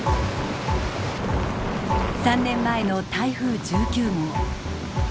３年前の台風１９号。